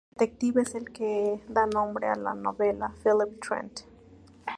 El detective es el que da nombre a la novela: "Philip Trent".